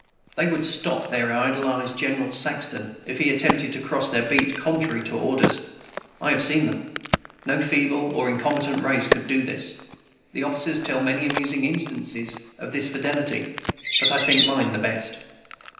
They would stop their idolized General Saxton, if he attempted to cross their beat contrary to orders: I have seen them. No feeble or incompetent race could do this. The officers tell many amusing instances of this fidelity, but I think mine the best.